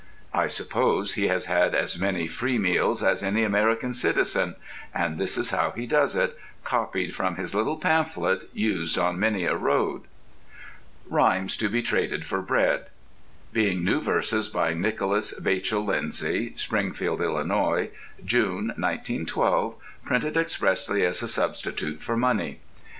I suppose he has had as many free meals as any American citizen; and, this is how he does it, copied from his little pamphlet used on many a road: RHYMES TO BE TRADED FOR BREAD Being new verses by Nicholas Vachel Lindsay, Springfield, Illinois, June, 1912, printed expressly as a substitute for money.